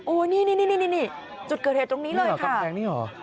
โอ้นี่นี่นี่นี่นี่จุดเกิดเหตุตรงนี้เลยค่ะนี่หรอกำแพงนี่หรอ